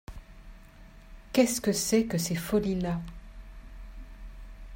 qu’est-ce que c’est que ces folies-là?